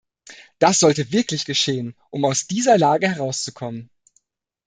Das sollte wirklich geschehen, um aus dieser Lage herauszukommen.